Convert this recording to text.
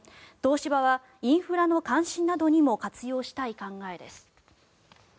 東芝はインフラの監視などにも活用したい考えです。